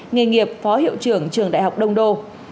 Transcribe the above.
nghề nghiệp phó hiệu trưởng trường đại học đông đô